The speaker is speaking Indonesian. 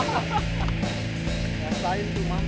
masain tuh mah